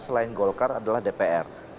selain golkar adalah dpr